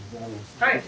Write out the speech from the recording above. はい。